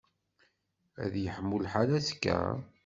Ad yeḥmu lḥal azekka?